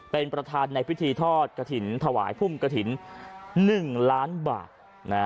เป็นประธานในพิธีทอดกระถิ่นถวายพุ่มกระถิ่น๑ล้านบาท